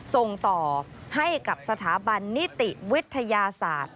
ส่งต่อให้กับสถาบันนิติวิทยาศาสตร์